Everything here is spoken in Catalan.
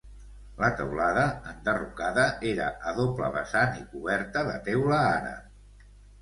La teulada, enderrocada, era a doble vessant i coberta de teula àrab.